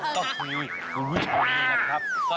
ก็คือคุณวิทย์บังคับครับ